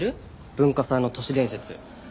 文化祭の都市伝説。